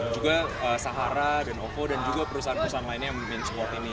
juga sahara dan ovo dan juga perusahaan perusahaan lainnya yang memimpin sport ini